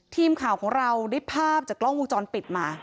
ทีมข่าวของเราได้ภาพจากกล้องวงจรปิดมา